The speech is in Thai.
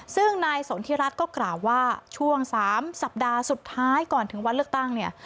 ซึ่งนายสนทิรัฐก็กล่าวว่าช่วง๓สัปดาห์สุดท้ายก่อนถึงวันเลือกตั้งเนี่ย